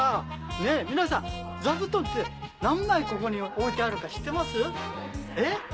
ねぇ皆さん座布団って何枚ここに置いてあるか知ってます？え？